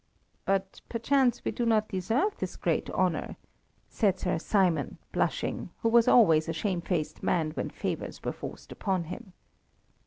"But perchance we do not deserve this great honour," said Sir Simon, blushing, who was always a shamefaced man when favours were forced upon him.